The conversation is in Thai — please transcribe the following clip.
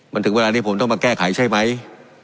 มันถึงเวลาที่ผมต้องมาแก้ไขใช่ไหม